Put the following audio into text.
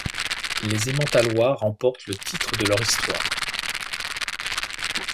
Les Emmentalois remportent le titre de leur histoire.